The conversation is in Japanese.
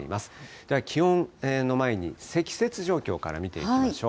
では気温の前に、積雪状況から見ていきましょう。